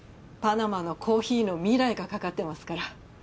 パナマのコーヒーの未来がかかってますから。